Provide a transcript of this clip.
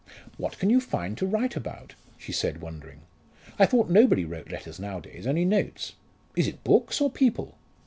"What can you find to write about?" she said wondering. "I thought nobody wrote letters nowadays, only notes. Is it books, or people?"